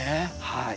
はい。